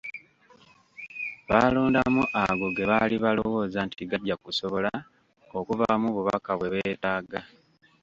Baalondamu ago ge baali balowooza nti gajja kusobola okuvaamu obubaka bwe beetaaga.